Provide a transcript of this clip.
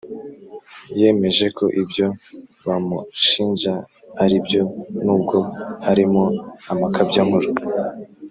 yemeje ko ibyo bamushinja aribyo nubwo harimo amakabya nkuru